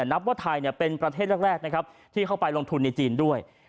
นับว่าไทยเป็นประเทศแรกนะครับที่เข้าไปลงทุนในจีนด้วย